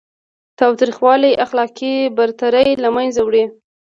تاوتریخوالی اخلاقي برتري له منځه وړي.